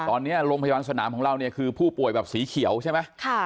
ตอนนี้โรงพยาบาลสนามของเราเนี่ยคือผู้ป่วยแบบสีเขียวใช่ไหม